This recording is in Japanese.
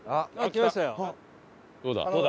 どうだ？